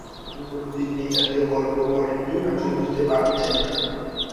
আপনি যেহেতু কোনোদিন এ জাতীয় গল্প পড়েননি আপনি বুঝতে পারছেন না।